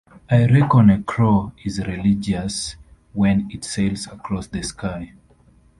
I reckon a crow is religious when it sails across the sky.